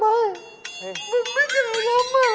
ผมเลย